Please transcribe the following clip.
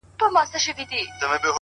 زړه لکه هينداره ښيښې گلي،